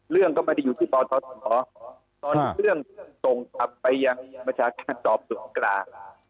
เรื่องก็ไม่ได้อยู่ที่ปทศตอนนี้เรื่องส่งกลับไปยังประชาการสอบสวนกลาง